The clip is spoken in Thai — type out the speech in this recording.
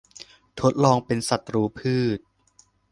ทดลองเป็นศัตรูพืช